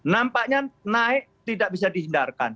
nampaknya naik tidak bisa dihindarkan